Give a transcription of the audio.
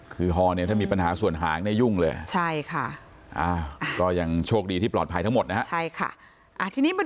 คือฮอเนี่ยถ้ามีปัญหาส่วนหางได้ยุ่งเลยใช่ค่ะอ่าก็ยังโชคดีที่ปลอดภัยทั้งหมดนะฮะใช่ค่ะอ่าทีนี้มาดู